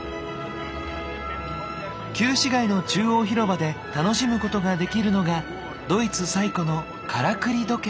旧市街の中央広場で楽しむことができるのがドイツ最古のからくり時計。